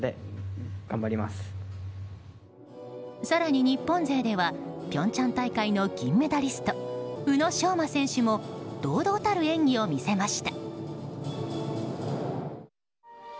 更に日本勢では平昌大会の銀メダリスト宇野昌磨選手も堂々たる演技を見せました。